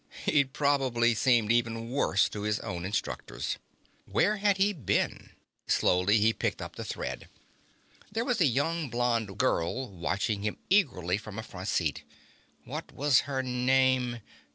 He'd probably seemed even worse to his own instructors. Where had he been? Slowly, he picked up the thread. There was a young blonde girl watching him eagerly from a front seat. What was her name?